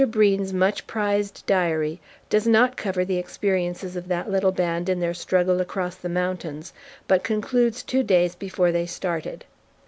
Breen's much prized diary does not cover the experiences of that little band in their struggle across the mountains, but concludes two days before they started.